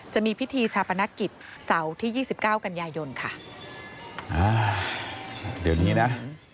จะมีพิธีชาปนกิจเสาร์ที่ยี่สิบเก้ากันยายนค่ะอ่าเดี๋ยวนี้นะ